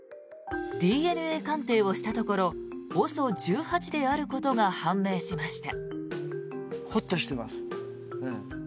ＤＮＡ鑑定をしたところＯＳＯ１８であることが判明しました。